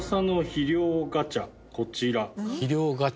肥料ガチャ？